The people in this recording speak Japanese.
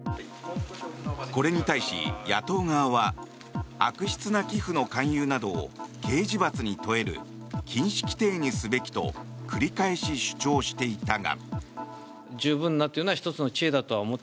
これに対し野党側は悪質な寄付の勧誘などを刑事罰に問える禁止規定にすべきと繰り返し主張していたが。